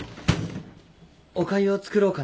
おかゆを作ろうかなって。